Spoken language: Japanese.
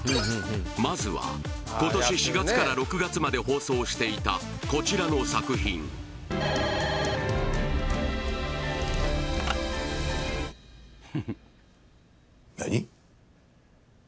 まずは今年４月から６月まで放送していたこちらの作品何？